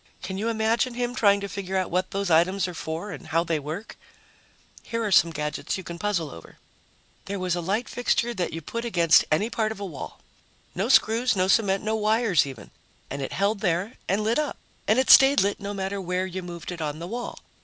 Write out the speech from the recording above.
Can you imagine him trying to figure out what those items are for and how they work? Here are some gadgets you can puzzle over: There was a light fixture that you put against any part of a wall no screws, no cement, no wires, even and it held there and lit up, and it stayed lit no matter where you moved it on the wall.